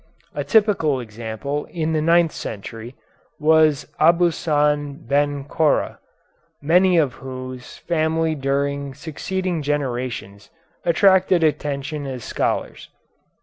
A typical example in the ninth century was Abuhassan Ben Korra, many of whose family during succeeding generations attracted attention as scholars.